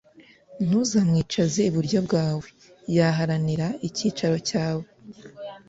Ntuzamwicaze iburyo bwawe, yaharanira icyicaro cyawe,